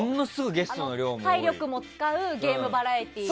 体力も使うゲームバラエティー。